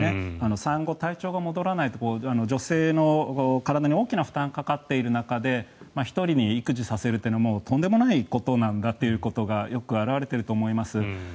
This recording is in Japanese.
産後、体調が戻らないと女性の体に大きな負担がかかっている中で１人で育児させるというのはとんでもないことなんだということがよく表れていると思います。